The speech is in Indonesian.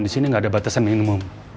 di sini nggak ada batasan minimum